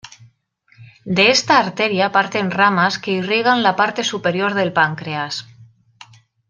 De esta arteria parten ramas que irrigan la parte superior del páncreas.